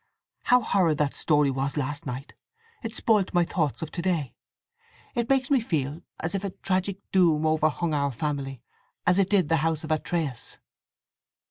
How horrid that story was last night! It spoilt my thoughts of to day. It makes me feel as if a tragic doom overhung our family, as it did the house of Atreus."